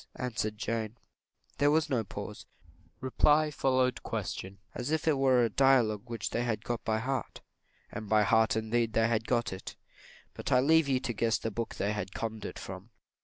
answered Jane. There was no pause reply followed question, as if it were a dialogue which they had got by heart and by heart indeed they had got it; but I leave you to guess the book they had conned it from.